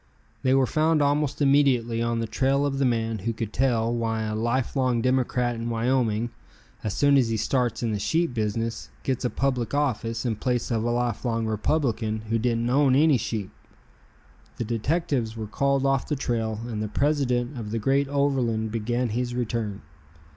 They were found almost immediately on the trail of the man who could tell why a life long Democrat in Wyoming, as soon as he starts in the sheep business, gets a public office in place of a life long Republican who didn't own any sheep. The detectives were called off the trail and the president of the great Overland began his return.